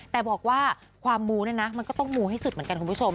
แต่บอกว่าความมูเนี่ยนะมันก็ต้องมูให้สุดเหมือนกันคุณผู้ชม